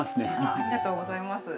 ありがとうございます。